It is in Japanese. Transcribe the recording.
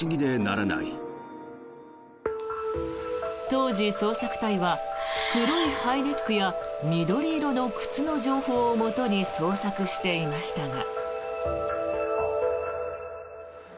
当時、捜索隊は黒いハイネックや緑色の靴の情報をもとに捜索していましたが。